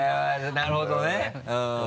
なるほどねうん。